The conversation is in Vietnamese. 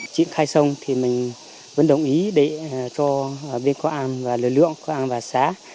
triển khai xong thì mình vẫn đồng ý để cho bên công an và lực lượng công an và xã